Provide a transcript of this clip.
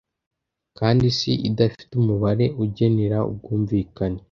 kandi, isi idafite umubare ugenera ubwumvikane